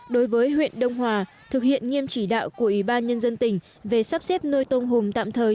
đối với huyện đông hòa thực hiện nghiêm chỉ đạo của ủy ban nhân dân tỉnh về sắp xếp nuôi tôm hùm tạm thời